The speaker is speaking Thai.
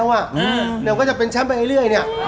แล้วก็จะเป็นแชมป์นี้เอี๊ยื่อยเนี่ย